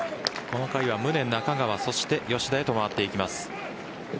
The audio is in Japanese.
この回は宗、中川そして吉田へと回っていきます。